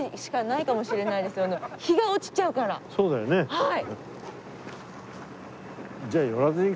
はい。